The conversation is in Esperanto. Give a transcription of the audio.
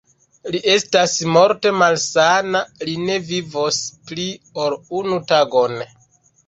Li estas morte malsana, li ne vivos pli, ol unu tagon.